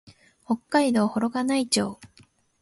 北海道幌加内町